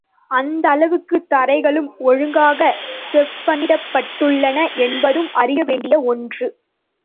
அந்த அளவுக்குத் தரைகளும் ஒழுங்காகச் செப்பனிடப்பட்டுள்ளன என்பதும் அறியவேண்டிய ஒன்று.